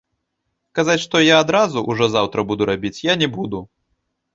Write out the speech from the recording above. Казаць, што я адразу, ужо заўтра, буду рабіць, я не буду.